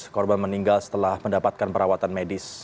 korban meninggal setelah mendapatkan perawatan medis